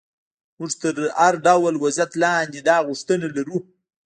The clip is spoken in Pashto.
موږ تر هر ډول وضعیت لاندې دا غوښتنه لرو.